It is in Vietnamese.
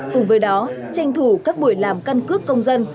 cùng với đó tranh thủ các buổi làm căn cước công dân